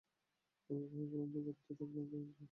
আর ব্যবহার করলাম, তো করতেই থাকলাম, তাই স্টক শেষ হয়ে গেল।